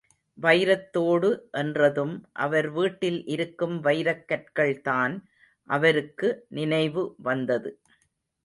வைரத்தோடு என்றதும், அவர் வீட்டில் இருக்கும் வைரக்கற்கள் தான் அவருக்கு நினைவு வந்தது.